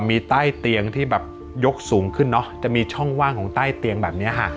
มีใต้เตียงที่แบบยกสูงขึ้นเนอะจะมีช่องว่างของใต้เตียงแบบนี้ค่ะ